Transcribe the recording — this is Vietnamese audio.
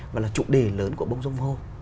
vậy là chủ đề lớn của bông dông hô